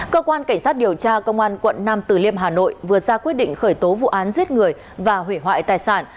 cơ quan cảnh sát điều tra công an quận nam từ liêm hà nội vừa ra quyết định khởi tố vụ án giết người và hủy hoại tài sản